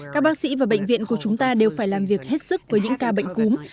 các bác sĩ và bệnh viện của chúng ta đều phải làm việc hết sức với những ca bệnh cúm